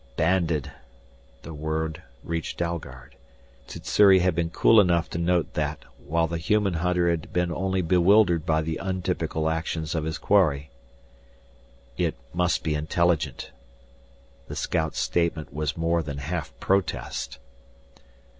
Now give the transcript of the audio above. "Banded " The word reached Dalgard. Sssuri had been cool enough to note that while the human hunter had been only bewildered by the untypical actions of his quarry. "It must be intelligent." The scout's statement was more than half protest.